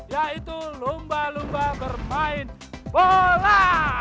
yaitu lumba lumba bermain bola